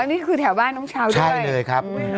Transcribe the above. อ๋อนี่คือแถวบ้านน้องชาวด้วยใช่เลยครับ